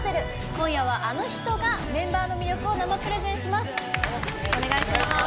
今夜はあの人がメンバーの魅力を生プレゼンします。